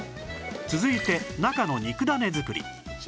続いて中の肉だね作り